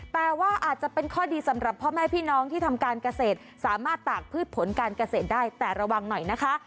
แต่ว่าอาจจะเป็นข้อดีสำหรับพ่อแม่พี่น้องที่ทำการเกษตรสามารถตากพืชผลการเกษตรได้แต่ระวังหน่อยนะคะ